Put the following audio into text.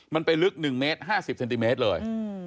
มันไปลึก๑เมตร๕๐เซนติเมตรเลย